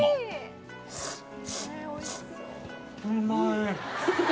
うまい。